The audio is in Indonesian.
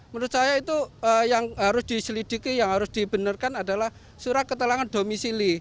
menurut saya itu yang harus diselidiki yang harus dibenarkan adalah surat keterangan domisili